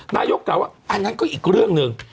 นายกกล่าวว่าอันนั้นก็อีกเรื่องหนึ่ง